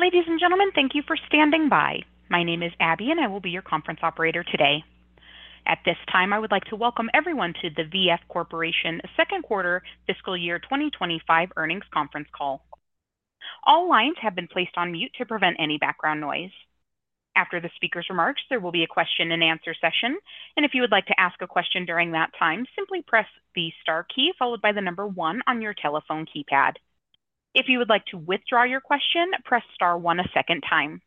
Ladies, and gentlemen, thank you for standing by. My name is Abby, and I will be your conference operator today. At this time, I would like to welcome everyone to the VF Corporation Second Quarter Fiscal Year 2025 Earnings Conference Call. All lines have been placed on mute to prevent any background noise. After the speaker's remarks, there will be a question-and-answer session, and if you would like to ask a question during that time, simply press the star key followed by the number one on your telephone keypad. If you would like to withdraw your question, press star one a second time.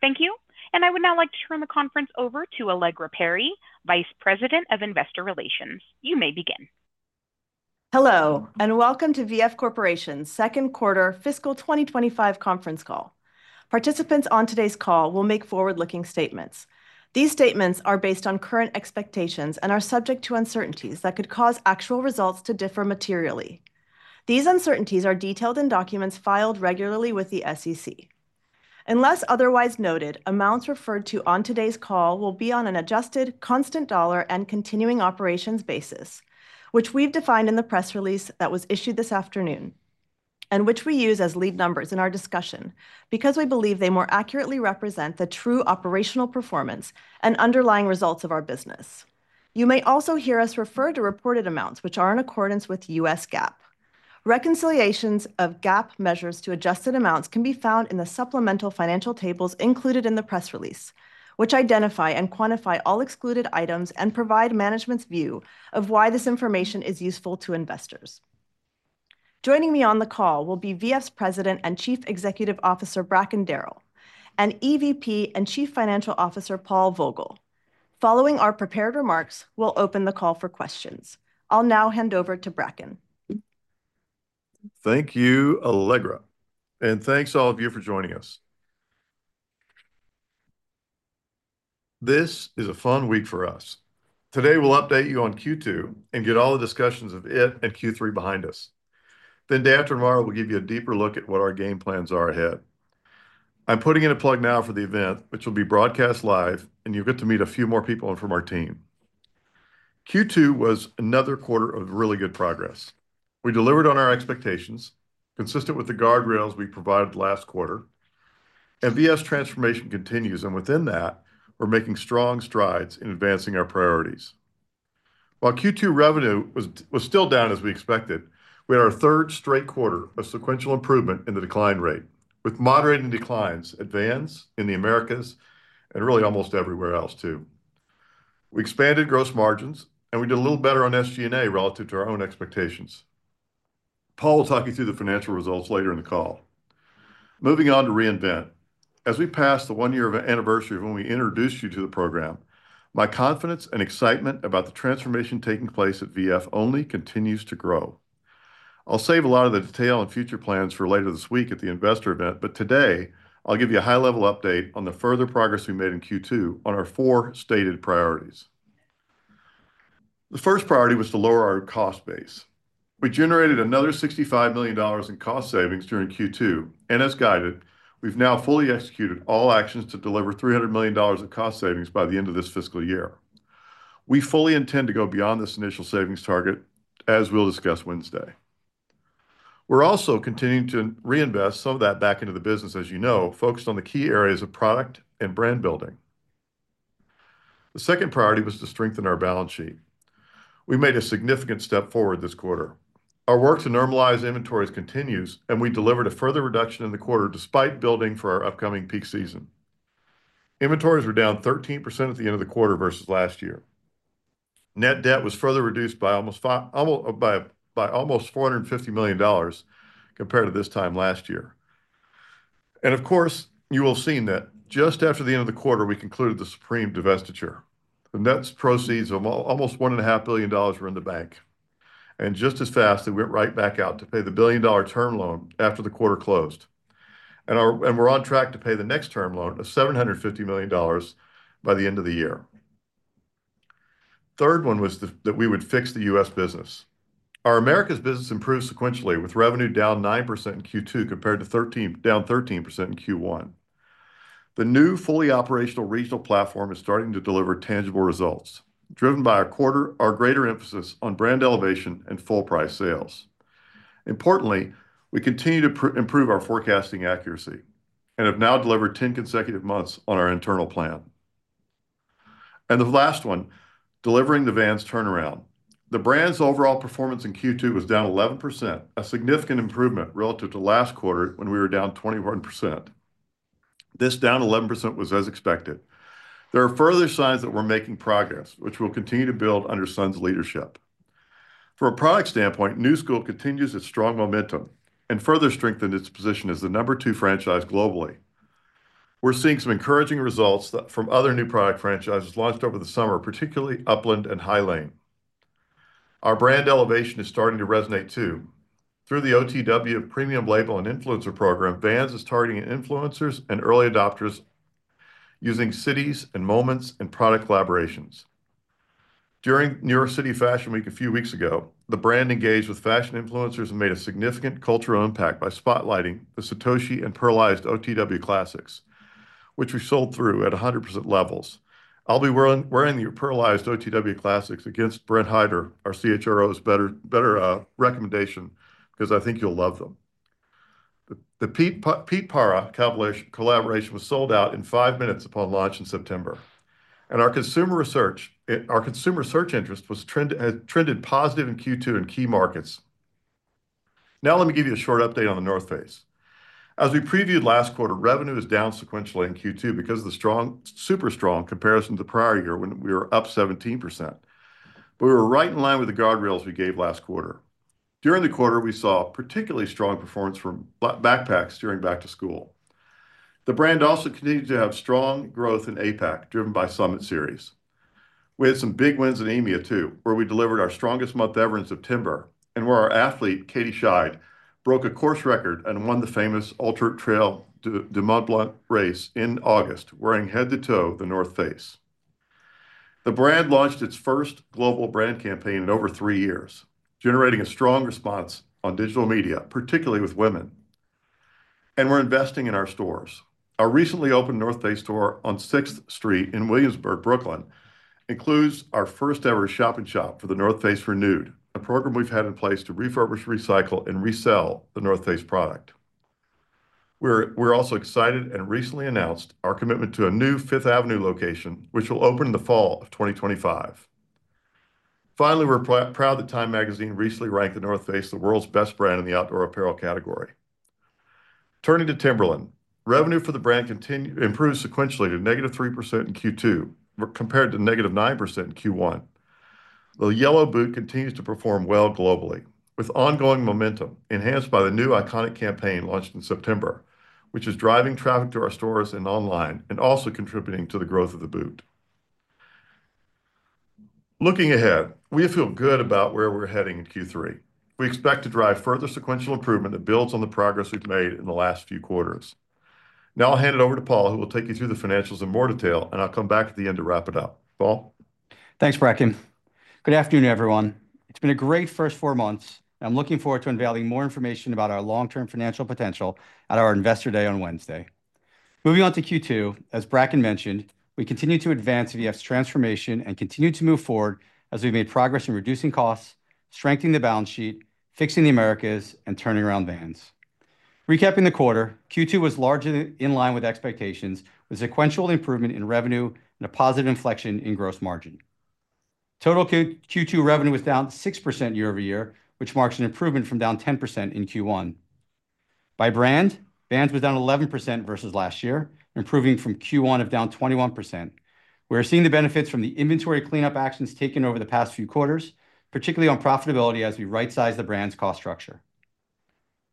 Thank you, and I would now like to turn the conference over to Allegra Perry, Vice President of Investor Relations. You may begin. Hello, and welcome to VF Corporation's Second Quarter Fiscal 2025 Conference Call. Participants on today's call will make forward-looking statements. These statements are based on current expectations and are subject to uncertainties that could cause actual results to differ materially. These uncertainties are detailed in documents filed regularly with the SEC. Unless otherwise noted, amounts referred to on today's call will be on an adjusted, constant dollar, and continuing operations basis, which we've defined in the press release that was issued this afternoon, and which we use as lead numbers in our discussion, because we believe they more accurately represent the true operational performance and underlying results of our business. You may also hear us refer to reported amounts, which are in accordance with U.S. GAAP. Reconciliations of GAAP measures to adjusted amounts can be found in the supplemental financial tables included in the press release, which identify and quantify all excluded items and provide management's view of why this information is useful to investors. Joining me on the call will be VF's President and Chief Executive Officer, Bracken Darrell, and EVP and Chief Financial Officer, Paul Vogel. Following our prepared remarks, we'll open the call for questions. I'll now hand over to Bracken. Thank you, Allegra, and thanks all of you for joining us. This is a fun week for us. Today, we'll update you on Q2 and get all the discussions of it and Q3 behind us. Then, day after tomorrow, we'll give you a deeper look at what our game plans are ahead. I'm putting in a plug now for the event, which will be broadcast live, and you'll get to meet a few more people in from our team. Q2 was another quarter of really good progress. We delivered on our expectations, consistent with the guardrails we provided last quarter, and VF's transformation continues, and within that, we're making strong strides in advancing our priorities. While Q2 revenue was still down as we expected, we had our third straight quarter of sequential improvement in the decline rate, with moderating declines at Vans in the Americas and really almost everywhere else, too. We expanded gross margins, and we did a little better on SG&A relative to our own expectations. Paul will talk you through the financial results later in the call. Moving on to Reinvent. As we pass the one year of anniversary of when we introduced you to the program, my confidence and excitement about the transformation taking place at VF only continues to grow. I'll save a lot of the detail on future plans for later this week at the investor event, but today I'll give you a high-level update on the further progress we made in Q2 on our four stated priorities. The first priority was to lower our cost base. We generated another $65 million in cost savings during Q2, and as guided, we've now fully executed all actions to deliver $300 million of cost savings by the end of this fiscal year. We fully intend to go beyond this initial savings target, as we'll discuss Wednesday. We're also continuing to reinvest some of that back into the business, as you know, focused on the key areas of product and brand building. The second priority was to strengthen our balance sheet. We made a significant step forward this quarter. Our work to normalize inventories continues, and we delivered a further reduction in the quarter despite building for our upcoming peak season. Inventories were down 13% at the end of the quarter versus last year. Net debt was further reduced by almost fi... by almost $450 million compared to this time last year. Of course, you will have seen that just after the end of the quarter, we concluded the Supreme divestiture. The net proceeds of almost $1.5 billion were in the bank, and just as fast, they went right back out to pay the $1 billion term loan after the quarter closed. We're on track to pay the next term loan of $750 million by the end of the year. Third one was that we would fix the U.S. business. Our Americas business improved sequentially, with revenue down 9% in Q2 compared to 13%, down 13% in Q1. The new, fully operational regional platform is starting to deliver tangible results, driven by our quarter, our greater emphasis on brand elevation and full price sales. Importantly, we continue to improve our forecasting accuracy and have now delivered 10 consecutive months on our internal plan. The last one, delivering the Vans turnaround. The brand's overall performance in Q2 was down 11%, a significant improvement relative to last quarter, when we were down 21%. This down 11% was as expected. There are further signs that we're making progress, which we'll continue to build under Sun's leadership. From a product standpoint, Knu Skool continues its strong momentum and further strengthened its position as the number two franchise globally. We're seeing some encouraging results from other new product franchises launched over the summer, particularly Upland and Hylane. Our brand elevation is starting to resonate, too. Through the OTW premium label and influencer program, Vans is targeting influencers and early adopters using cities and moments and product collaborations. During New York City Fashion Week a few weeks ago, the brand engaged with fashion influencers and made a significant cultural impact by spotlighting the Satoshi and Pearlized OTW Classics, which we sold through at 100% levels. I'll be wearing the pearlized OTW Classics against Brent Hyder, our CHRO's better recommendation, because I think you'll love them. The Piet Parra collaboration was sold out in five minutes upon launch in September, and our consumer research, our consumer search interest trended positive in Q2 in key markets. Now, let me give you a short update on The North Face. As we previewed last quarter, revenue is down sequentially in Q2 because of the super strong comparison to the prior year, when we were up 17%. But we were right in line with the guardrails we gave last quarter. During the quarter, we saw particularly strong performance from backpacks during back to school. The brand also continued to have strong growth in APAC, driven by Summit Series. We had some big wins in EMEA, too, where we delivered our strongest month ever in September, and where our athlete, Katie Schide, broke a course record and won the famous Ultra-Trail du Mont-Blanc race in August, wearing head to toe The North Face. The brand launched its first global brand campaign in over three years, generating a strong response on digital media, particularly with women, and we're investing in our stores. Our recently opened North Face store on Sixth Street in Williamsburg, Brooklyn, includes our first-ever shop in shop for The North Face Renewed, a program we've had in place to refurbish, recycle, and resell The North Face product. We're also excited and recently announced our commitment to a new Fifth Avenue location, which will open in the fall of 2025. Finally, we're proud that Time Magazine recently ranked The North Face the world's best brand in the outdoor apparel category. Turning to Timberland, revenue for the brand improved sequentially to -3% in Q2, but compared to -9% in Q1. The Yellow Boot continues to perform well globally, with ongoing momentum enhanced by the new iconic campaign launched in September, which is driving traffic to our stores and online, and also contributing to the growth of the boot. Looking ahead, we feel good about where we're heading in Q3. We expect to drive further sequential improvement that builds on the progress we've made in the last few quarters. Now I'll hand it over to Paul, who will take you through the financials in more detail, and I'll come back at the end to wrap it up. Paul? Thanks, Bracken. Good afternoon, everyone. It's been a great first four months. I'm looking forward to unveiling more information about our long-term financial potential at our Investor Day on Wednesday. Moving on to Q2, as Bracken mentioned, we continue to advance VF's transformation and continue to move forward as we've made progress in reducing costs, strengthening the balance sheet, fixing the Americas, and turning around Vans. Recapping the quarter, Q2 was largely in line with expectations, with sequential improvement in revenue and a positive inflection in gross margin. Total Q2 revenue was down 6% year-over-year, which marks an improvement from down 10% in Q1. By brand, Vans was down 11% versus last year, improving from Q1 of down 21%. We are seeing the benefits from the inventory cleanup actions taken over the past few quarters, particularly on profitability as we rightsize the brand's cost structure.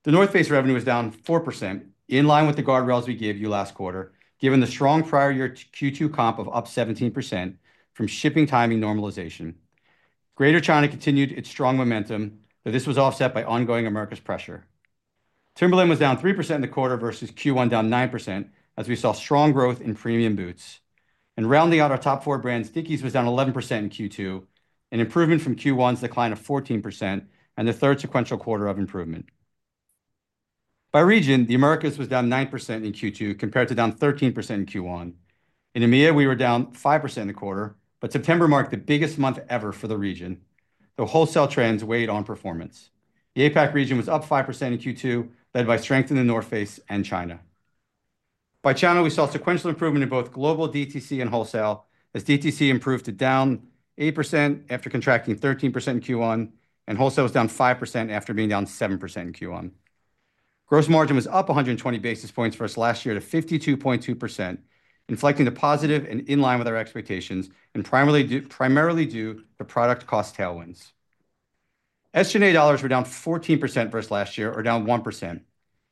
The North Face revenue is down 4%, in line with the guardrails we gave you last quarter, given the strong prior year Q2 comp of up 17% from shipping timing normalization. Greater China continued its strong momentum, but this was offset by ongoing Americas pressure. Timberland was down 3% in the quarter versus Q1, down 9%, as we saw strong growth in premium boots. And rounding out our top four Vans, Dickies was down 11% in Q2, an improvement from Q1's decline of 14%, and the third sequential quarter of improvement. By region, the Americas was down 9% in Q2, compared to down 13% in Q1. In EMEA, we were down 5% a quarter, but September marked the biggest month ever for the region, though wholesale trends weighed on performance. The APAC region was up 5% in Q2, led by strength in The North Face and China. By channel, we saw sequential improvement in both global DTC and wholesale, as DTC improved to down 8% after contracting 13% in Q1, and wholesale was down 5% after being down 7% in Q1. Gross margin was up 120 basis points versus last year to 52.2%, inflecting to positive and in line with our expectations, and primarily due to product cost tailwinds. SG&A dollars were down 14% versus last year, or down 1%.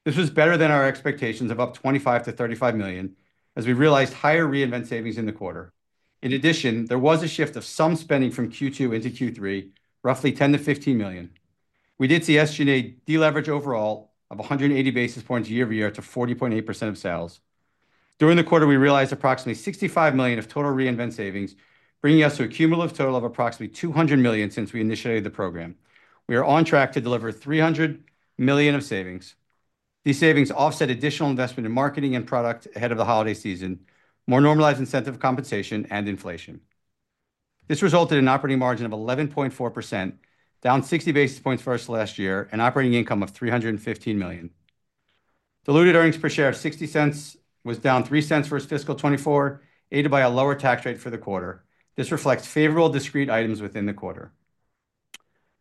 This was better than our expectations of up $25 million-$35 million, as we realized higher Reinvent savings in the quarter. In addition, there was a shift of some spending from Q2 into Q3, roughly $10 million-$15 million. We did see SG&A deleverage overall of 180 basis points year-over-year to 40.8% of sales. During the quarter, we realized approximately $65 million of total Reinvent savings, bringing us to a cumulative total of approximately $200 million since we initiated the program. We are on track to deliver $300 million of savings. These savings offset additional investment in marketing and product ahead of the holiday season, more normalized incentive compensation, and inflation. This resulted in operating margin of 11.4%, down 60 basis points versus last year, and operating income of $315 million. Diluted earnings per share of $0.60 was down $0.03 versus fiscal 2024, aided by a lower tax rate for the quarter. This reflects favorable discrete items within the quarter.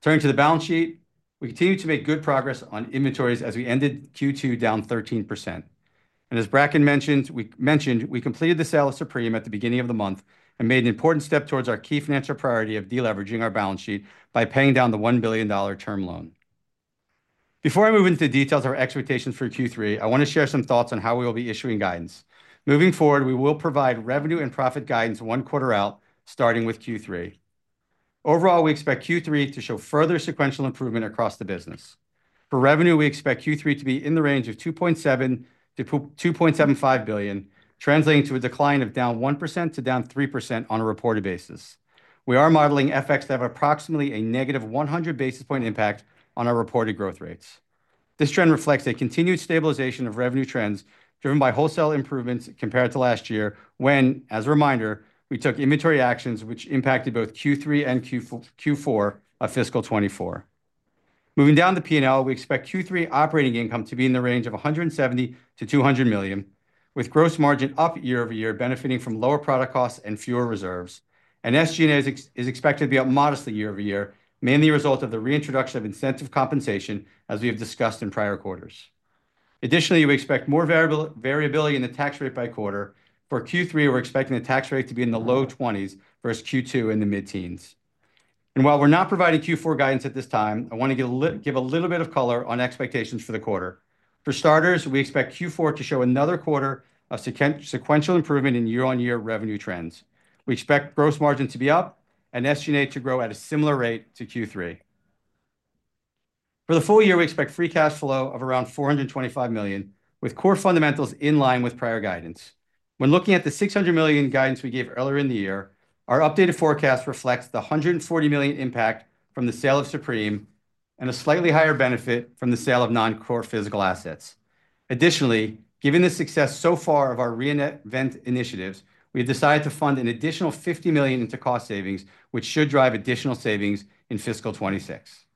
Turning to the balance sheet, we continue to make good progress on inventories as we ended Q2 down 13%. And as Bracken mentioned, we completed the sale of Supreme at the beginning of the month and made an important step towards our key financial priority of deleveraging our balance sheet by paying down the $1 billion term loan. Before I move into the details of our expectations for Q3, I want to share some thoughts on how we will be issuing guidance. Moving forward, we will provide revenue and profit guidance one quarter out, starting with Q3. Overall, we expect Q3 to show further sequential improvement across the business. For revenue, we expect Q3 to be in the range of $2.7 billion-$2.75 billion, translating to a decline of down 1% to down 3% on a reported basis. We are modeling FX to have approximately a negative 100 basis points impact on our reported growth rates. This trend reflects a continued stabilization of revenue trends driven by wholesale improvements compared to last year, when, as a reminder, we took inventory actions which impacted both Q3 and Q4 of fiscal 2024. Moving down to P&L, we expect Q3 operating income to be in the range of $170 million-$200 million, with gross margin up year-over-year, benefiting from lower product costs and fewer reserves. SG&A is expected to be up modestly year-over-year, mainly a result of the reintroduction of incentive compensation, as we have discussed in prior quarters. Additionally, we expect more variability in the tax rate by quarter. For Q3, we're expecting the tax rate to be in the low 20s%, versus Q2 in the mid-teens%. And while we're not providing Q4 guidance at this time, I want to give a little bit of color on expectations for the quarter. For starters, we expect Q4 to show another quarter of sequential improvement in year-on-year revenue trends. We expect gross margin to be up and SG&A to grow at a similar rate to Q3. For the full year, we expect free cash flow of around $425 million, with core fundamentals in line with prior guidance. When looking at the $600 million guidance we gave earlier in the year, our updated forecast reflects the $140 million impact from the sale of Supreme and a slightly higher benefit from the sale of non-core physical assets. Additionally, given the success so far of our Reinvent initiatives, we have decided to fund an additional $50 million into cost savings, which should drive additional savings in fiscal 2026.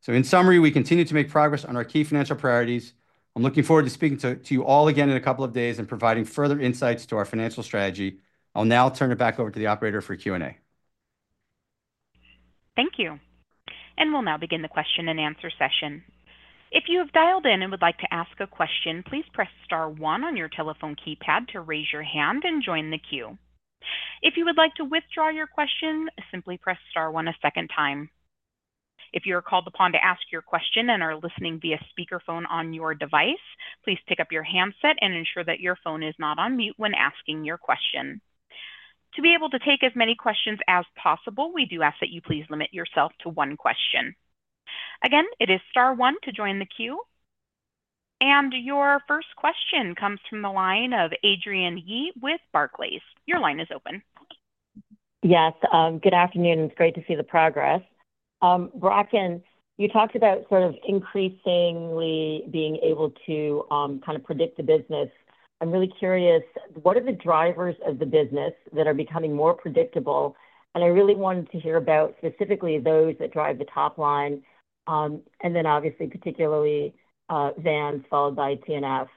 So in summary, we continue to make progress on our key financial priorities. I'm looking forward to speaking to you all again in a couple of days and providing further insights to our financial strategy. I'll now turn it back over to the Operator for Q&A. Thank you, and we'll now begin the question-and-answer session. If you have dialed in and would like to ask a question, please press star one on your telephone keypad to raise your hand and join the queue. If you would like to withdraw your question, simply press star one a second time. If you are called upon to ask your question and are listening via speakerphone on your device, please pick up your handset and ensure that your phone is not on mute when asking your question. To be able to take as many questions as possible, we do ask that you please limit yourself to one question. Again, it is star one to join the queue, and your first question comes from the line of Adrienne Yih with Barclays. Your line is open. Yes. Good afternoon, it's great to see the progress. Bracken, you talked about sort of increasingly being able to kind of predict the business. I'm really curious, what are the drivers of the business that are becoming more predictable? And I really wanted to hear about specifically those that drive the top line, and then obviously, particularly, Vans, followed by TNF.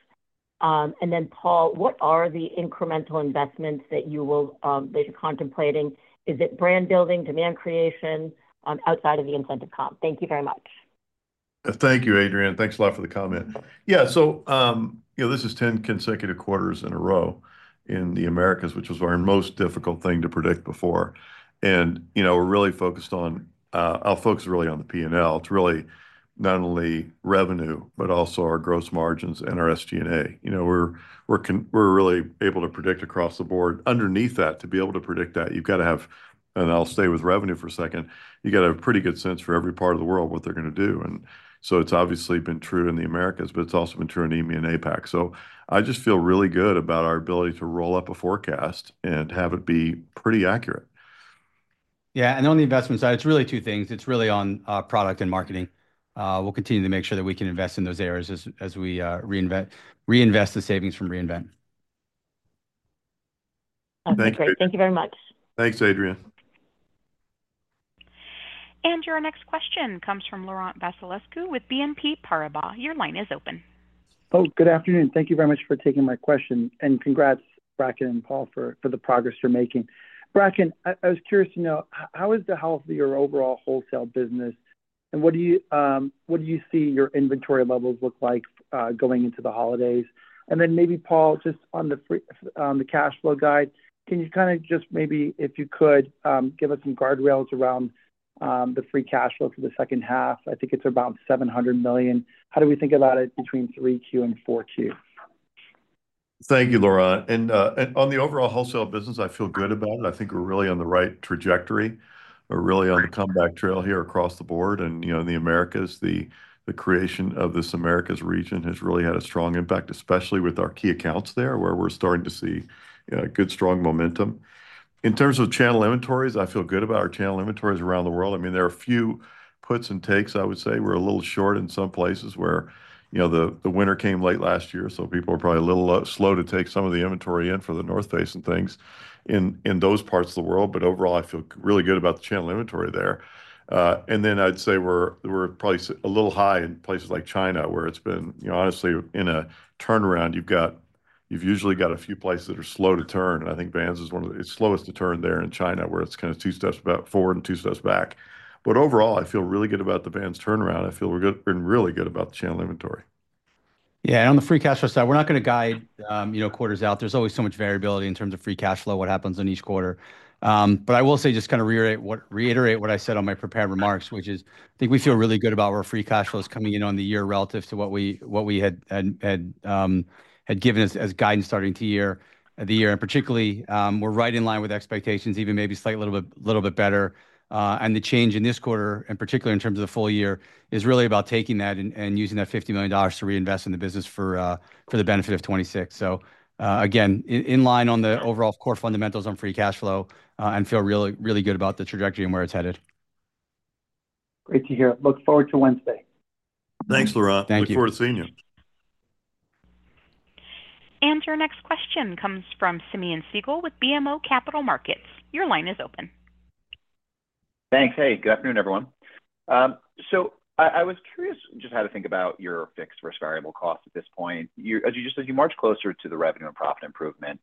And then, Paul, what are the incremental investments that you're contemplating? Is it brand building, demand creation, outside of the incentive comp? Thank you very much. Thank you, Adrienne. Thanks a lot for the comment. Yeah, so, you know, this is 10 consecutive quarters in a row in the Americas, which was our most difficult thing to predict before, and you know, we're really focused on. I'll focus really on the P&L. It's really not only revenue, but also our gross margins and our SG&A. You know, we're really able to predict across the board. Underneath that, to be able to predict that, you've got to have, and I'll stay with revenue for a second, you've got to have a pretty good sense for every part of the world, what they're gonna do, and so it's obviously been true in the Americas, but it's also been true in EMEA and APAC, so I just feel really good about our ability to roll up a forecast and have it be pretty accurate. Yeah, and on the investment side, it's really two things. It's really on product and marketing. We'll continue to make sure that we can invest in those areas as we Reinvent-reinvest the savings from Reinvent. Okay. Thanks, Adrienne. Thank you very much. Thanks, Adrienne. Our next question comes from Laurent Vasilescu with BNP Paribas. Your line is open. Oh, good afternoon, thank you very much for taking my question. And congrats, Bracken and Paul, for the progress you're making. Bracken, I was curious to know, how is the health of your overall wholesale business, and what do you see your inventory levels look like, going into the holidays? And then maybe, Paul, just on the cash flow guide, can you kind of give us some guardrails around the free cash flow for the second half? I think it's about $700 million. How do we think about it between 3Q and 4Q? Thank you, Laurent. And on the overall wholesale business, I feel good about it. I think we're really on the right trajectory. We're really on the comeback trail here across the board and, you know, in the Americas, the creation of this Americas region has really had a strong impact, especially with our key accounts there, where we're starting to see, you know, good, strong momentum. In terms of channel inventories, I feel good about our channel inventories around the world. I mean, there are a few puts and takes. I would say we're a little short in some places where, you know, the winter came late last year, so people are probably a little slow to take some of the inventory in for the North Face and things in those parts of the world. But overall, I feel really good about the channel inventory there. And then I'd say we're probably a little high in places like China, where it's been. You know, honestly, in a turnaround, you've usually got a few places that are slow to turn, and I think Vans is one of the it's the slowest to turn there in China, where it's kind of two steps forward and two steps back. But overall, I feel really good about the Vans turnaround. I feel we're really good about the channel inventory. Yeah, and on the free cash flow side, we're not going to guide, you know, quarters out. There's always so much variability in terms of free cash flow, what happens in each quarter. But I will say, just kind of reiterate what I said on my prepared remarks, which is, I think we feel really good about where free cash flow is coming in on the year relative to what we had given as guidance starting the year. And particularly, we're right in line with expectations, even maybe slightly a little bit better. And the change in this quarter, and particularly in terms of the full year, is really about taking that and using that $50 million to reinvest in the business for the benefit of 2026. So, again, in line on the overall core fundamentals on free cash flow, and feel really, really good about the trajectory and where it's headed. Great to hear. Look forward to Wednesday. Thanks, Laurent. Thank you. Look forward to seeing you. And our next question comes from Simeon Siegel with BMO Capital Markets. Your line is open. Thanks. Hey, good afternoon, everyone. So I was curious just how to think about your fixed versus variable cost at this point. You, as you just said, you march closer to the revenue and profit improvement.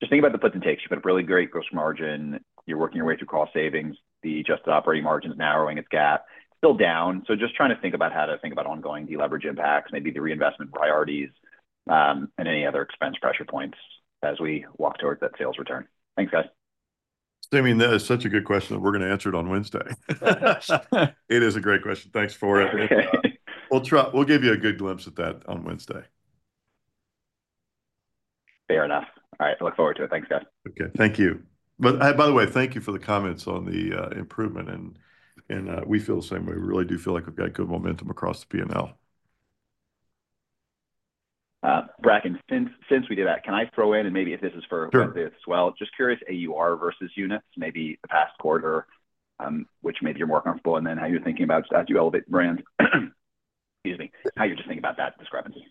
Just think about the puts and takes. You've got a really great gross margin. You're working your way through cost savings. The adjusted operating margin is narrowing its gap, still down. So just trying to think about how to think about ongoing deleverage impacts, maybe the Reinvent priorities, and any other expense pressure points as we walk towards that sales return. Thanks, guys. Simeon, that is such a good question that we're gonna answer it on Wednesday. It is a great question. Thanks for it. We'll try... We'll give you a good glimpse at that on Wednesday. Fair enough. All right. I look forward to it. Thanks, guys. Okay, thank you. But, by the way, thank you for the comments on the improvement, and we feel the same way. We really do feel like we've got good momentum across the PNL. Bracken, since we did that, can I throw in, and maybe if this is for- Sure... as well? Just curious, AUR versus units, maybe the past quarter, which maybe you're more comfortable, and then how you're thinking about as you elevate brands. Excuse me. How you're just thinking about that discrepancy.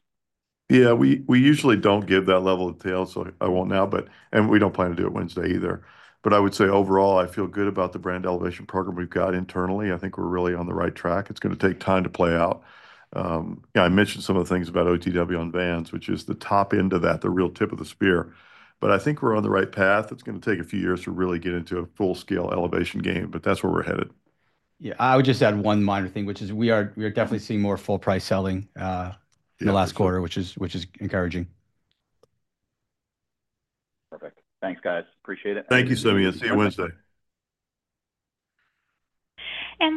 Yeah, we usually don't give that level of detail, so I won't now, but, and we don't plan to do it Wednesday either. But I would say, overall, I feel good about the brand elevation program we've got internally. I think we're really on the right track. It's gonna take time to play out. Yeah, I mentioned some of the things about OTW on Vans, which is the top end of that, the real tip of the spear. But I think we're on the right path. It's gonna take a few years to really get into a full-scale elevation game, but that's where we're headed. Yeah. I would just add one minor thing, which is we are definitely seeing more full price selling. Yeah... in the last quarter, which is encouraging. Perfect. Thanks, guys. Appreciate it. Thank you, Simeon. See you Wednesday.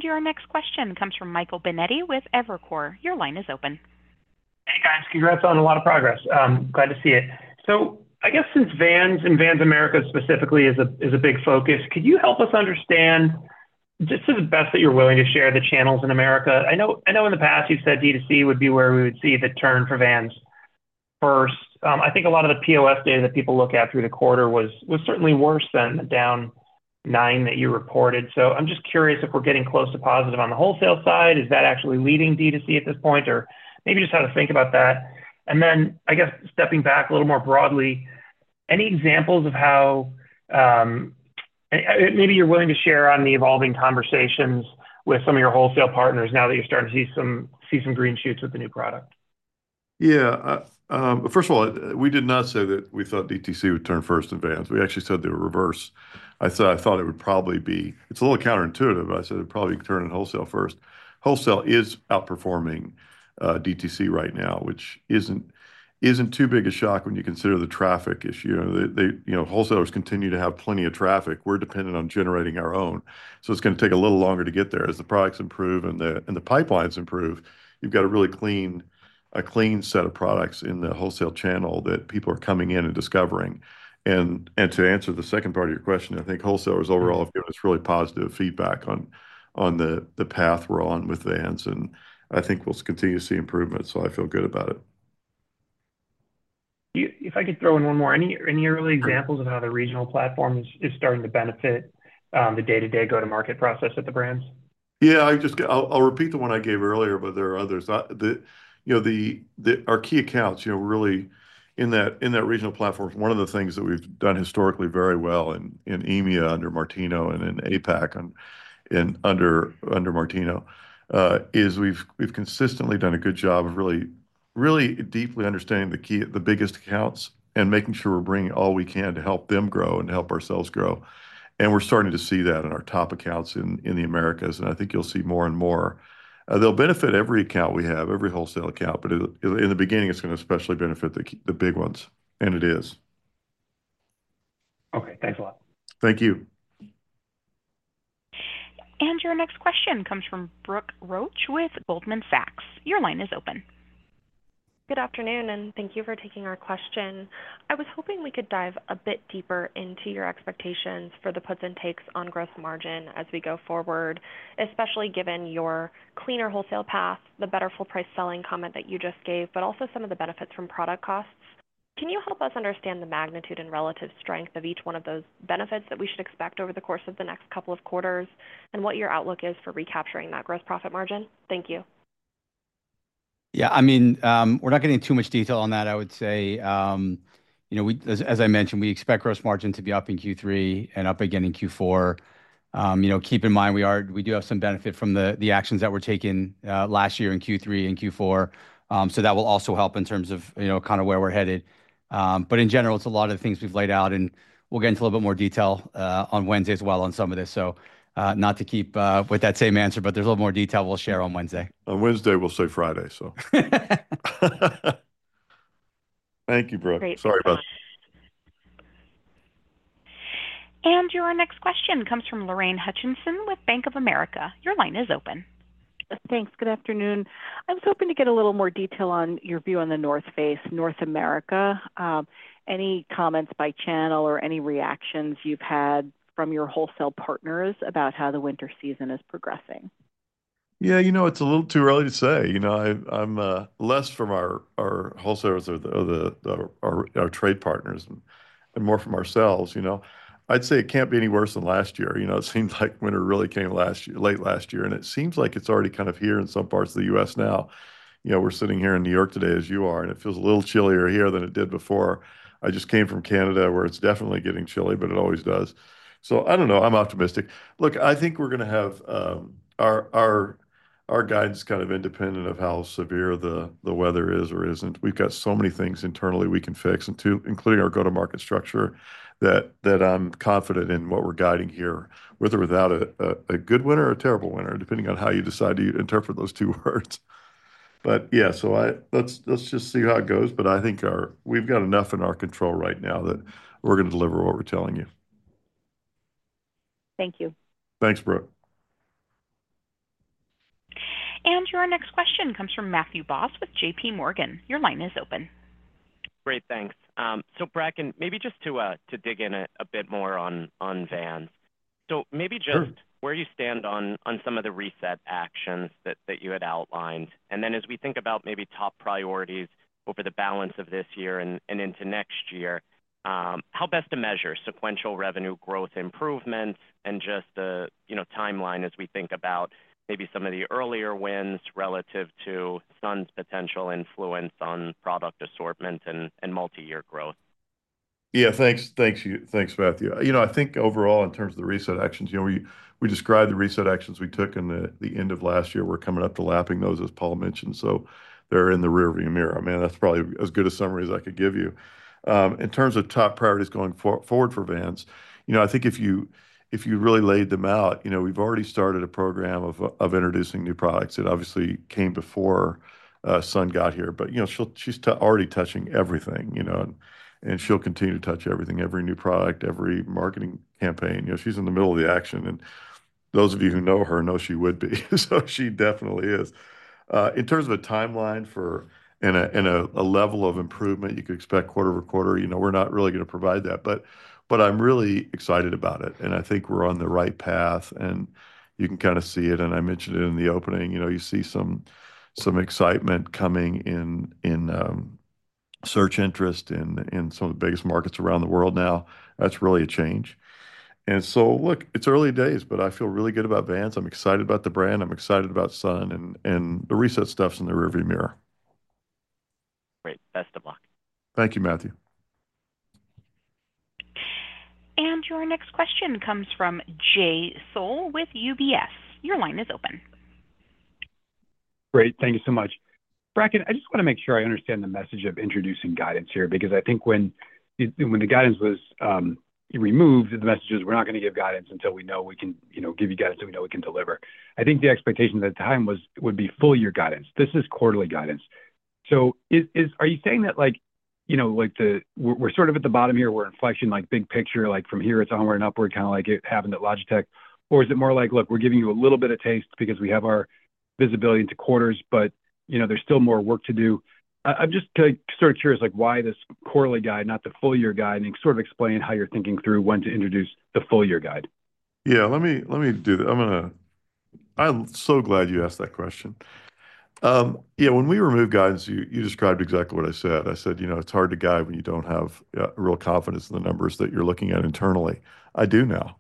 Your next question comes from Michael Binetti with Evercore. Your line is open. Hey, guys. Congrats on a lot of progress. Glad to see it. So I guess since Vans and Vans Americas, specifically, is a big focus, could you help us understand, just to the best that you're willing to share, the channels in Americas? I know, I know in the past you've said D2C would be where we would see the turn for Vans first. I think a lot of the POS data that people look at through the quarter was certainly worse than the down nine that you reported. So I'm just curious if we're getting close to positive on the wholesale side. Is that actually leading D2C at this point? Or maybe just how to think about that. And then, I guess, stepping back a little more broadly, any examples of how... Maybe you're willing to share on the evolving conversations with some of your wholesale partners now that you're starting to see some green shoots with the new product? Yeah. First of all, we did not say that we thought DTC would turn first in Vans. We actually said they were reverse. I said I thought it would probably be... It's a little counterintuitive, but I said it'd probably turn in wholesale first. Wholesale is outperforming DTC right now, which isn't too big a shock when you consider the traffic issue. You know, wholesalers continue to have plenty of traffic. We're dependent on generating our own, so it's gonna take a little longer to get there. As the products improve and the pipelines improve, you've got a really clean set of products in the wholesale channel that people are coming in and discovering. To answer the second part of your question, I think wholesalers overall have given us really positive feedback on the path we're on with Vans, and I think we'll continue to see improvement, so I feel good about it. If I could throw in one more. Any early examples of how the regional platform is starting to benefit the day-to-day go-to-market process at the brands? Yeah, I'll repeat the one I gave earlier, but there are others. You know, our key accounts, you know, really in that regional platform, one of the things that we've done historically very well in EMEA under Martino and in APAC under Martino is we've consistently done a good job of really deeply understanding the biggest accounts and making sure we're bringing all we can to help them grow and help ourselves grow. We're starting to see that in our top accounts in the Americas, and I think you'll see more and more. They'll benefit every account we have, every wholesale account, but in the beginning, it's gonna especially benefit the big ones, and it is. Okay, thanks a lot. Thank you. And your next question comes from Brooke Roach with Goldman Sachs. Your line is open. Good afternoon, and thank you for taking our question. I was hoping we could dive a bit deeper into your expectations for the puts and takes on gross margin as we go forward, especially given your cleaner wholesale path, the better full price selling comment that you just gave, but also some of the benefits from product costs. Can you help us understand the magnitude and relative strength of each one of those benefits that we should expect over the course of the next couple of quarters, and what your outlook is for recapturing that gross profit margin? Thank you. Yeah, I mean, we're not getting into too much detail on that. I would say, you know, as I mentioned, we expect gross margin to be up in Q3 and up again in Q4. You know, keep in mind, we do have some benefit from the actions that were taken last year in Q3 and Q4. So that will also help in terms of, you know, kind of where we're headed. But in general, it's a lot of the things we've laid out, and we'll get into a little bit more detail on Wednesday as well on some of this. So, not to keep with that same answer, but there's a little more detail we'll share on Wednesday. On Wednesday, we'll say Friday, so. Thank you, Brooke. Great. Sorry about that. Your next question comes from Lorraine Hutchinson with Bank of America. Your line is open. Thanks. Good afternoon. I was hoping to get a little more detail on your view on the North Face, North America. Any comments by channel or any reactions you've had from your wholesale partners about how the winter season is progressing?... Yeah, you know, it's a little too early to say. You know, I, I'm less from our wholesalers or our trade partners and more from ourselves, you know? I'd say it can't be any worse than last year. You know, it seems like winter really came last year, late last year, and it seems like it's already kind of here in some parts of the U.S. now. You know, we're sitting here in New York today, as you are, and it feels a little chillier here than it did before. I just came from Canada, where it's definitely getting chilly, but it always does. So I don't know. I'm optimistic. Look, I think we're gonna have our guidance kind of independent of how severe the weather is or isn't. We've got so many things internally we can fix, and too, including our go-to-market structure, that I'm confident in what we're guiding here, whether without a good winter or a terrible winter, depending on how you decide to interpret those two words. But yeah, so let's just see how it goes, but I think we've got enough in our control right now that we're gonna deliver what we're telling you. Thank you. Thanks, Brooke. And your next question comes from Matthew Boss with JPMorgan. Your line is open. Great, thanks. So, Bracken, maybe just to dig in a bit more on Vans. So maybe just- Sure... where you stand on some of the reset actions that you had outlined, and then, as we think about maybe top priorities over the balance of this year and into next year, how best to measure sequential revenue growth improvements and just the, you know, timeline as we think about maybe some of the earlier wins relative to Sun's potential influence on product assortment and multi-year growth? Yeah. Thanks, thank you. Thanks, Matthew. You know, I think overall, in terms of the reset actions, you know, we described the reset actions we took in the end of last year. We're coming up to lapping those, as Paul mentioned, so they're in the rearview mirror. I mean, that's probably as good a summary as I could give you. In terms of top priorities going forward for Vans, you know, I think if you really laid them out, you know, we've already started a program of introducing new products. It obviously came before Sun got here, but, you know, she'll, she's already touching everything, you know, and she'll continue to touch everything, every new product, every marketing campaign. You know, she's in the middle of the action, and those of you who know her know she would be, so she definitely is. In terms of a timeline for, and a level of improvement you could expect quarter-over-quarter, you know, we're not really gonna provide that, but I'm really excited about it, and I think we're on the right path, and you can kind of see it, and I mentioned it in the opening. You know, you see some excitement coming in, in search interest in some of the biggest markets around the world now. That's really a change, and so, look, it's early days, but I feel really good about Vans. I'm excited about the brand, I'm excited about Sun, and the reset stuff's in the rearview mirror. Great. Best of luck. Thank you, Matthew. And your next question comes from Jay Sole with UBS. Your line is open. Great. Thank you so much. Bracken, I just want to make sure I understand the message of introducing guidance here, because I think when the guidance was removed, the message was, "We're not gonna give guidance until we know we can, you know, give you guidance until we know we can deliver." I think the expectation at the time was full year guidance. This is quarterly guidance. So are you saying that, like, you know, like we're sort of at the bottom here, we're inflection, like, big picture, like, from here, it's onward and upward, kind of like it happened at Logitech? Or is it more like: Look, we're giving you a little bit of taste because we have our visibility into quarters, but, you know, there's still more work to do. I'm just kind of sort of curious, like, why this quarterly guide, not the full year guide, and sort of explain how you're thinking through when to introduce the full year guide? Yeah, let me, let me do that. I'm gonna... I'm so glad you asked that question. Yeah, when we removed guidance, you, you described exactly what I said. I said, "You know, it's hard to guide when you don't have real confidence in the numbers that you're looking at internally." I do now.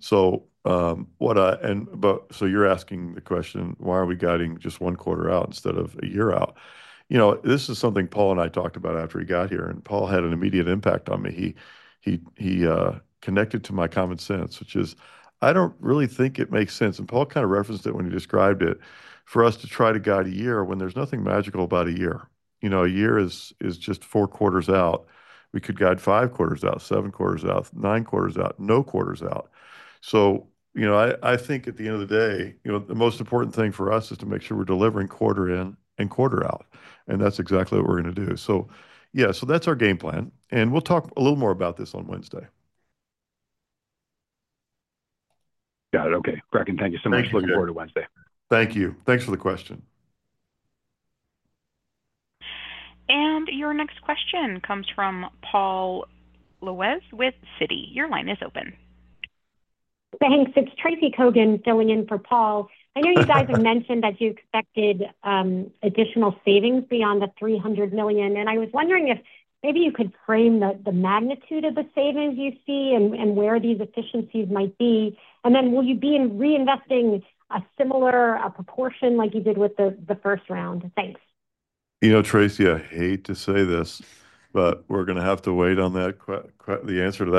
So, what I... And but, so you're asking the question, why are we guiding just one quarter out instead of a year out? You know, this is something Paul and I talked about after he got here, and Paul had an immediate impact on me. He, he, he connected to my common sense, which is, I don't really think it makes sense, and Paul kind of referenced it when he described it, for us to try to guide a year when there's nothing magical about a year. You know, a year is just four quarters out. We could guide five quarters out, seven quarters out, nine quarters out, no quarters out. So, you know, I think at the end of the day, you know, the most important thing for us is to make sure we're delivering quarter in and quarter out, and that's exactly what we're gonna do. So yeah, so that's our game plan, and we'll talk a little more about this on Wednesday. Got it. Okay. Bracken, thank you so much. Thank you, Jay. Looking forward to Wednesday. Thank you. Thanks for the question. And your next question comes from Paul Lejuez with Citi. Your line is open. Thanks. It's Tracy Kogan filling in for Paul. I know you guys have mentioned that you expected additional savings beyond the $300 million, and I was wondering if maybe you could frame the magnitude of the savings you see and where these efficiencies might be. Then, will you be in reinvesting a similar proportion like you did with the first round? Thanks. You know, Tracy, I hate to say this, but we're gonna have to wait on that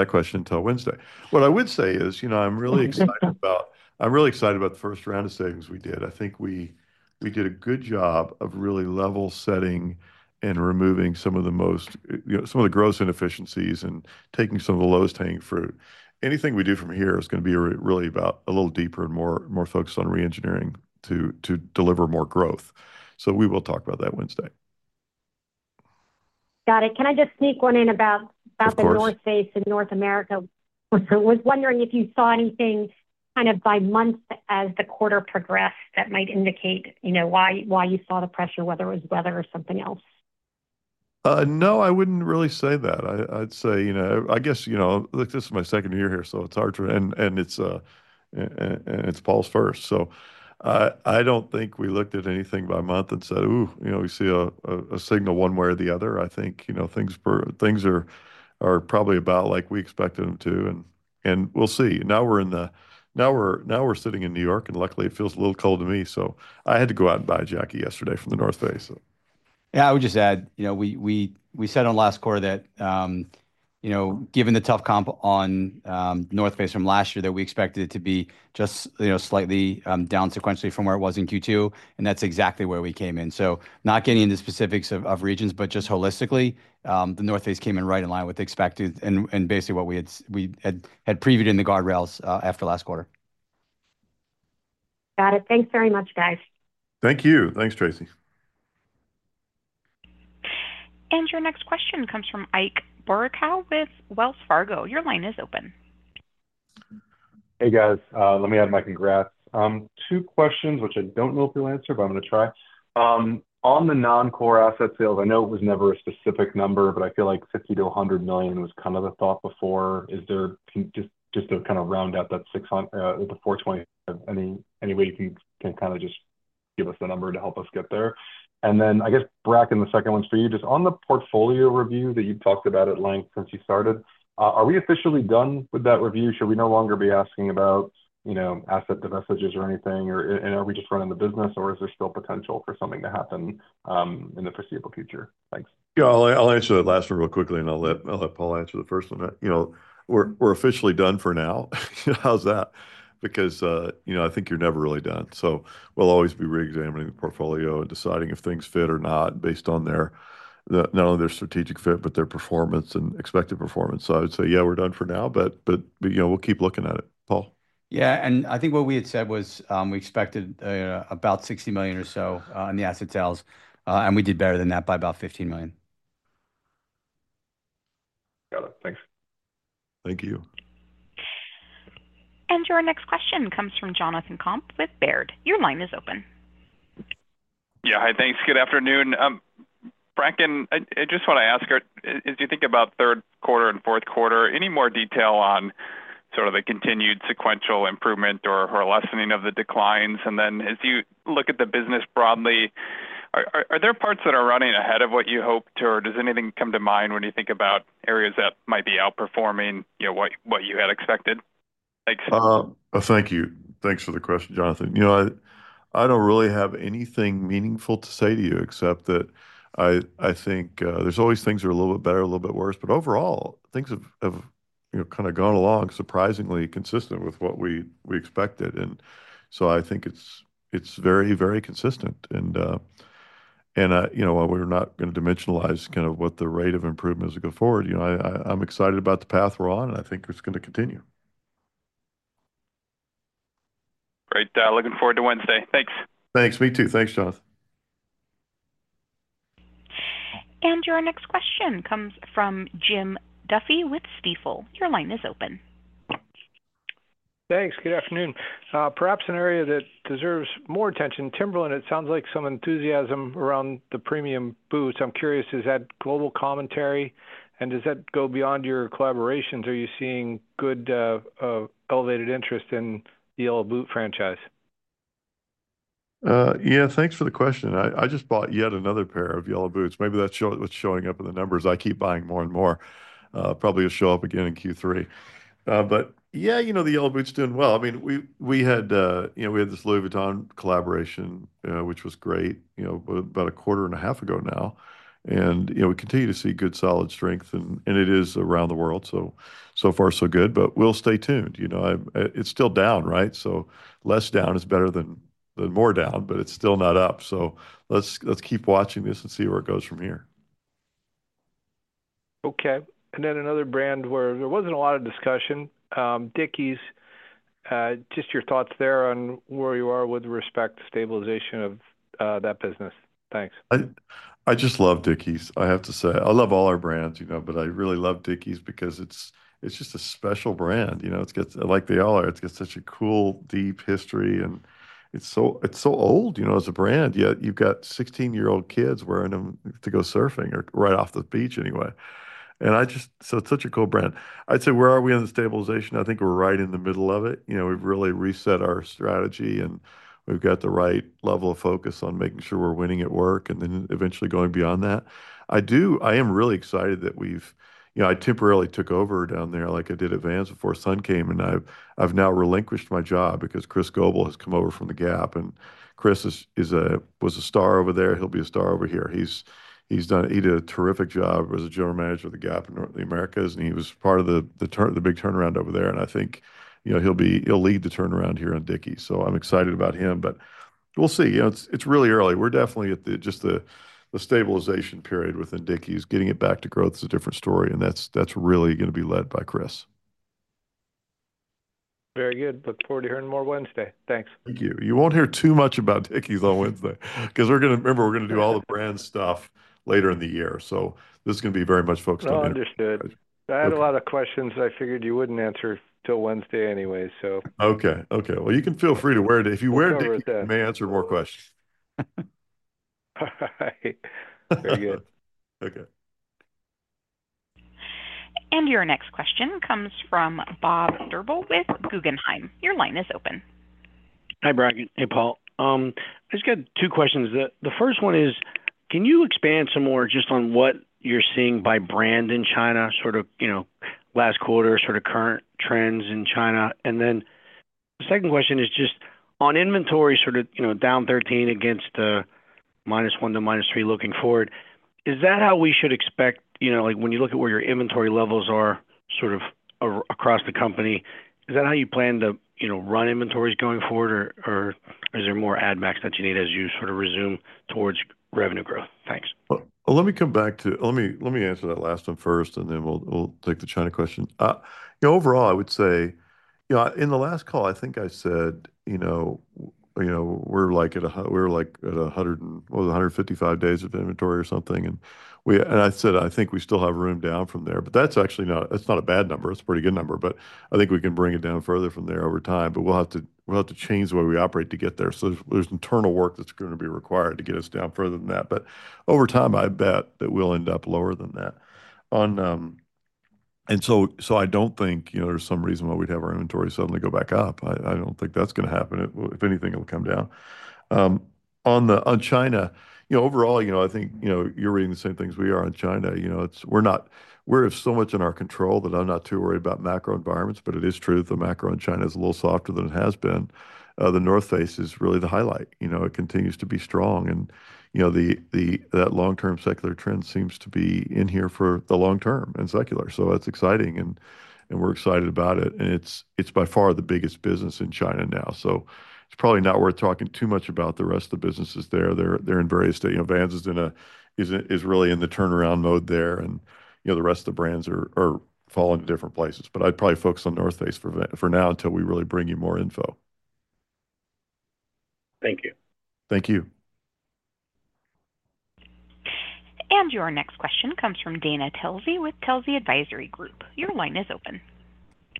question until Wednesday. What I would say is, you know, I'm really excited about the first round of savings we did. I think we did a good job of really level setting and removing some of the most, you know, some of the gross inefficiencies and taking some of the lowest hanging fruit. Anything we do from here is gonna be really about a little deeper and more focused on reengineering to deliver more growth. So we will talk about that Wednesday. Got it. Can I just sneak one in about? Of course... about The North Face in North America? Was wondering if you saw anything kind of by month as the quarter progressed that might indicate, you know, why, why you saw the pressure, whether it was weather or something else? ... No, I wouldn't really say that. I'd say, you know, I guess, you know, look, this is my second year here, so it's hard to, and it's Paul's first. So I don't think we looked at anything by month and said, "Ooh, you know, we see a signal one way or the other." I think, you know, things are probably about like we expected them to, and we'll see. Now we're sitting in New York, and luckily it feels a little cold to me, so I had to go out and buy a jacket yesterday from The North Face, so. Yeah, I would just add, you know, we said on last quarter that, you know, given the tough comp on North Face from last year, that we expected it to be just, you know, slightly down sequentially from where it was in Q2, and that's exactly where we came in. So not getting into the specifics of regions, but just holistically, the North Face came in right in line with expected and basically what we had previewed in the guardrails after last quarter. Got it. Thanks very much, guys. Thank you. Thanks, Tracy. And your next question comes from Ike Boruchow with Wells Fargo. Your line is open. Hey, guys. Let me add my congrats. Two questions, which I don't know if you'll answer, but I'm gonna try. On the non-core asset sales, I know it was never a specific number, but I feel like $50 million-$100 million was kind of the thought before. Is there just to kind of round out the $420 million, any way you can kind of just give us a number to help us get there? And then, I guess, Bracken, the second one's for you. Just on the portfolio review that you've talked about at length since you started, are we officially done with that review? Should we no longer be asking about, you know, asset divestitures or anything, or, and are we just running the business, or is there still potential for something to happen in the foreseeable future? Thanks. Yeah, I'll answer that last one real quickly, and I'll let Paul answer the first one. You know, we're officially done for now. How's that? Because, you know, I think you're never really done. So we'll always be reexamining the portfolio and deciding if things fit or not based on their, not only their strategic fit, but their performance and expected performance. So I'd say, yeah, we're done for now, but, you know, we'll keep looking at it. Paul? Yeah, and I think what we had said was, we expected about $60 million or so in the asset sales, and we did better than that by about $15 million. Got it. Thanks. Thank you. And your next question comes from Jonathan Komp with Baird. Your line is open. Yeah. Hi, thanks. Good afternoon. Bracken, I just want to ask, as you think about third quarter and fourth quarter, any more detail on sort of the continued sequential improvement or a lessening of the declines? And then, as you look at the business broadly, are there parts that are running ahead of what you hoped, or does anything come to mind when you think about areas that might be outperforming, you know, what you had expected? Thanks. Thank you. Thanks for the question, Jonathan. You know, I don't really have anything meaningful to say to you, except that I think there's always things that are a little bit better, a little bit worse, but overall, things have you know, kind of gone along surprisingly consistent with what we expected, and so I think it's very consistent. And and I... You know, we're not going to dimensionalize kind of what the rate of improvement as we go forward. You know, I I'm excited about the path we're on, and I think it's going to continue. Great. Looking forward to Wednesday. Thanks. Thanks. Me too. Thanks, Jonathan. And your next question comes from Jim Duffy with Stifel. Your line is open. Thanks. Good afternoon. Perhaps an area that deserves more attention, Timberland, it sounds like some enthusiasm around the premium boots. I'm curious, is that global commentary, and does that go beyond your collaborations? Are you seeing good, elevated interest in the Yellow Boot franchise? Yeah, thanks for the question. I just bought yet another pair of Yellow Boots. Maybe that's what's showing up in the numbers. I keep buying more and more. Probably will show up again in Q3. But yeah, you know, the Yellow Boots is doing well. I mean, we had, you know, we had this Louis Vuitton collaboration, which was great, you know, about a quarter and a half ago now. And, you know, we continue to see good, solid strength, and it is around the world, so far, so good, but we'll stay tuned. You know, it's still down, right? So less down is better than more down, but it's still not up, so let's keep watching this and see where it goes from here. Okay. And then another brand where there wasn't a lot of discussion, Dickies, just your thoughts there on where you are with respect to stabilization of that business. Thanks. I just love Dickies, I have to say. I love all our brands, you know, but I really love Dickies because it's just a special brand. You know, it's got, like they all are, it's got such a cool, deep history, and it's so old, you know, as a brand, yet you've got 16-year-old kids wearing them to go surfing or right off the beach anyway. And I just. So it's such a cool brand. I'd say, where are we on the stabilization? I think we're right in the middle of it. You know, we've really reset our strategy, and we've got the right level of focus on making sure we're winning at work and then eventually going beyond that. I do. I am really excited that we've... You know, I temporarily took over down there, like I did at Vans before Sun came, and I've now relinquished my job because Chris Goble has come over from the Gap and Chris is a star over there. He was a star over there. He'll be a star over here. He did a terrific job as a general manager of the Gap in North America, and he was part of the big turnaround over there, and I think, you know, he'll lead the turnaround here on Dickies, so I'm excited about him, but we'll see. You know, it's really early. We're definitely at just the stabilization period within Dickies. Getting it back to growth is a different story, and that's really gonna be led by Chris. Very good. Look forward to hearing more Wednesday. Thanks. Thank you. You won't hear too much about Dickies on Wednesday, 'cause we're gonna... Remember, we're gonna do all the brand stuff later in the year, so this is gonna be very much focused on- Oh, understood. Okay. I had a lot of questions, I figured you wouldn't answer till Wednesday anyway, so. Okay, okay. Well, you can feel free to wear it. If you wear Dickies- I'll wear it then.... you may answer more questions. All right. Very good. Okay.... And your next question comes from Bob Drbul with Guggenheim. Your line is open. Hi, Bracken. Hey, Paul. I just got two questions. The first one is, can you expand some more just on what you're seeing by brand in China, sort of, you know, last quarter, sort of current trends in China? And then the second question is just on inventory, sort of, you know, down 13% against, -1% to -3% looking forward, is that how we should expect, you know, like, when you look at where your inventory levels are sort of across the company, is that how you plan to, you know, run inventories going forward, or, or is there more ad max that you need as you sort of resume towards revenue growth? Thanks. Let me come back to. Let me, let me answer that last one first, and then we'll, we'll take the China question. You know, overall, I would say, you know, in the last call, I think I said, you know, you know, we're like at a hundred and. What was it? A hundred and fifty-five days of inventory or something, and And I said, "I think we still have room down from there." But that's actually not, that's not a bad number. It's a pretty good number, but I think we can bring it down further from there over time, but we'll have to, we'll have to change the way we operate to get there. So there's, there's internal work that's gonna be required to get us down further than that. But over time, I bet that we'll end up lower than that. On. And so I don't think, you know, there's some reason why we'd have our inventory suddenly go back up. I don't think that's gonna happen. If anything, it'll come down. On China, you know, overall, you know, I think, you know, you're reading the same things we are on China. You know, it's. We're so much in our control that I'm not too worried about macro environments, but it is true that the macro in China is a little softer than it has been. The North Face is really the highlight, you know, it continues to be strong, and, you know, that long-term secular trend seems to be in here for the long term and secular. So that's exciting, and we're excited about it, and it's by far the biggest business in China now. So it's probably not worth talking too much about the rest of the businesses there. They're in various state. You know, Vans is in a, is really in the turnaround mode there, and, you know, the rest of the brands are falling into different places. But I'd probably focus on North Face for Vans for now, until we really bring you more info. Thank you. Thank you. And your next question comes from Dana Telsey with Telsey Advisory Group. Your line is open.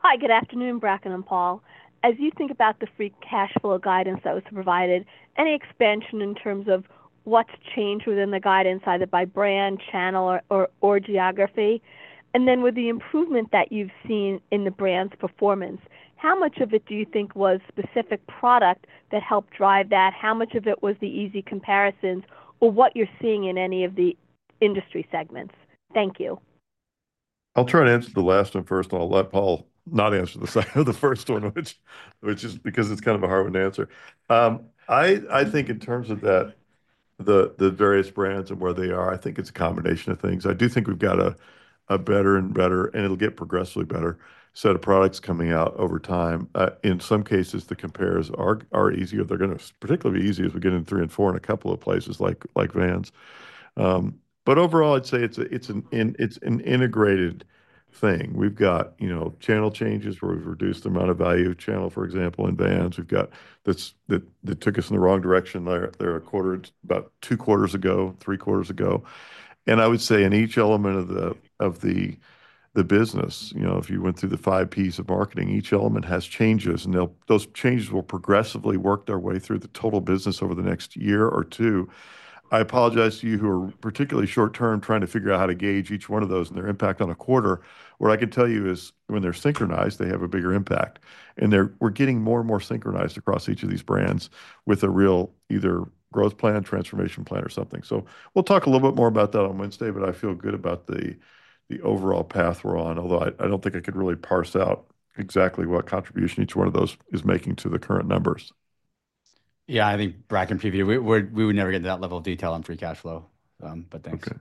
Hi, good afternoon, Bracken and Paul. As you think about the free cash flow guidance that was provided, any expansion in terms of what's changed within the guidance, either by brand, channel or geography? And then with the improvement that you've seen in the brand's performance, how much of it do you think was specific product that helped drive that? How much of it was the easy comparisons or what you're seeing in any of the industry segments? Thank you. I'll try and answer the last one first, and I'll let Paul not answer the second the first one, which is because it's kind of a hard one to answer. I think in terms of that, the various brands and where they are, I think it's a combination of things. I do think we've got a better and better, and it'll get progressively better, set of products coming out over time. In some cases, the compares are easier. They're gonna particularly be easy as we get into three and four in a couple of places like Vans. But overall, I'd say it's an integrated thing. We've got, you know, channel changes where we've reduced the amount of value channel, for example, in Vans. We've got... That took us in the wrong direction there about two quarters ago, three quarters ago. And I would say in each element of the business, you know, if you went through the five P's of marketing, each element has changes, and those changes will progressively work their way through the total business over the next year or two. I apologize to you who are particularly short-term, trying to figure out how to gauge each one of those and their impact on a quarter. What I can tell you is, when they're synchronized, they have a bigger impact, and we're getting more and more synchronized across each of these brands with a real either growth plan, transformation plan, or something. So we'll talk a little bit more about that on Wednesday, but I feel good about the overall path we're on, although I don't think I could really parse out exactly what contribution each one of those is making to the current numbers. Yeah, I think, Bracken, preview, we would never get to that level of detail on free cash flow. But thanks. Okay.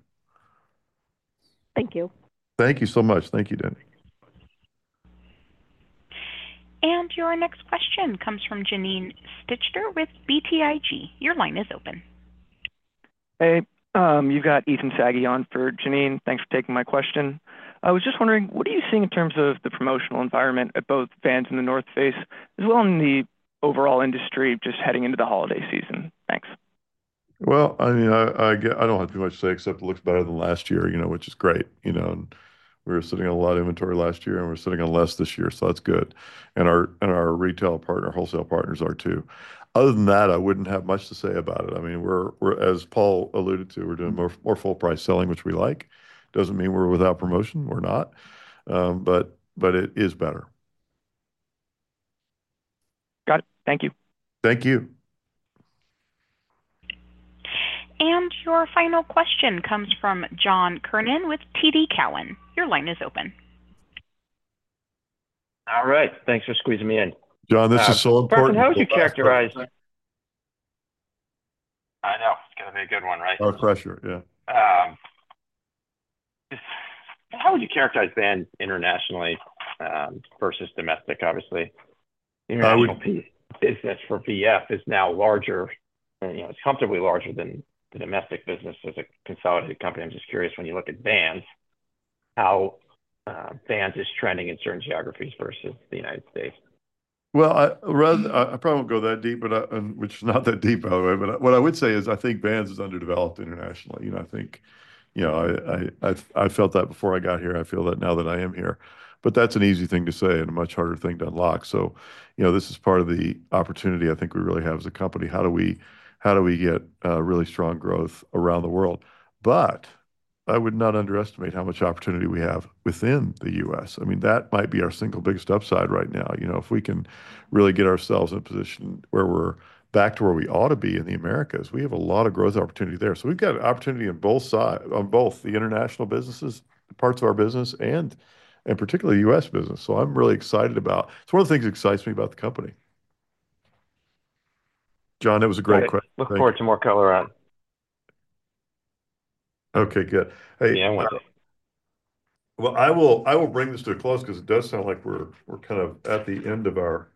Thank you. Thank you so much. Thank you, Dana. Your next question comes from Janine Stichter with BTIG. Your line is open. Hey, you got Ethan Saghi on for Janine. Thanks for taking my question. I was just wondering, what are you seeing in terms of the promotional environment at both Vans and The North Face, as well in the overall industry, just heading into the holiday season? Thanks. I mean, I get I don't have too much to say, except it looks better than last year, you know, which is great. You know, and we were sitting on a lot of inventory last year, and we're sitting on less this year, so that's good. And our retail partner, wholesale partners are, too. Other than that, I wouldn't have much to say about it. I mean, we're as Paul alluded to, we're doing more, more full-price selling, which we like. Doesn't mean we're without promotion. We're not. But it is better. Got it. Thank you. Thank you. And your final question comes from John Kernan with TD Cowen. Your line is open. All right. Thanks for squeezing me in. John, this is so important. How would you characterize- I know. It's gonna be a good one, right? Oh, pressure, yeah. How would you characterize Vans internationally versus domestic, obviously? I would- The Americas business for VF is now larger, and, you know, it's comfortably larger than the domestic business as a consolidated company. I'm just curious, when you look at Vans, how Vans is trending in certain geographies versus the U.S.? Well, I probably won't go that deep, but which is not that deep, by the way, but what I would say is, I think Vans is underdeveloped internationally. You know, I think, you know, I felt that before I got here. I feel that now that I am here. But that's an easy thing to say and a much harder thing to unlock. So, you know, this is part of the opportunity I think we really have as a company. How do we get really strong growth around the world? But I would not underestimate how much opportunity we have within the U.S. I mean, that might be our single biggest upside right now. You know, if we can really get ourselves in a position where we're back to where we ought to be in the Americas, we have a lot of growth opportunity there. So we've got an opportunity on both the international businesses, parts of our business and particularly U.S. business. So I'm really excited about... It's one of the things that excites me about the company. John, that was a great question. Look forward to more color on. Okay, good. Yeah, I want to. I will bring this to a close because it does sound like we're kind of at the end of our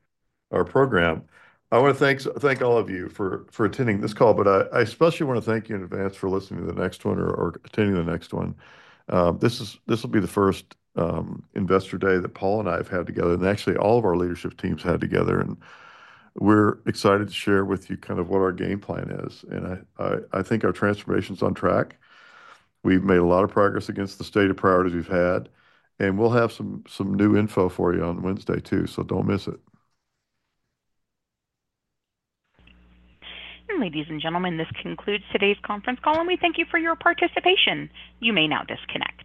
program. I wanna thank all of you for attending this call, but I especially wanna thank you in advance for listening to the next one or attending the next one. This will be the first investor day that Paul and I have had together, and actually all of our leadership teams had together, and we're excited to share with you kind of what our game plan is, and I think our transformation's on track. We've made a lot of progress against the set of priorities we've had, and we'll have some new info for you on Wednesday, too, so don't miss it. Ladies, and gentlemen, this concludes today's conference call, and we thank you for your participation. You may now disconnect.